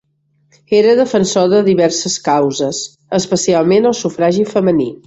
Era defensor de diverses causes, especialment el sufragi femení.